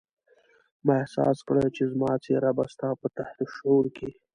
ما احساس کړه چې زما څېره به ستا په تحت الشعور کې.